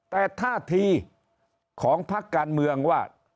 แต่ท่าทีของพักการเมืองว่า